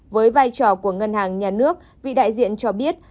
với vai trò của ngân hàng nhà nước vị đại diện cho biết